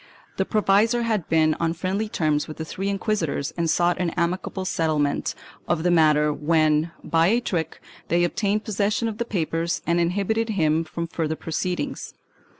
The provisor had been on friendly terms with the three inquisitors and sought an amicable settlement of the matter when, by a trick, they obtained possession of the papers and inhibited him from further proceed ings.